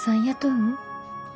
うん。